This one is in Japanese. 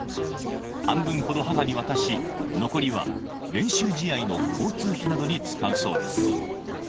半分ほど母に渡し、残りは練習試合の交通費などに使うそうです。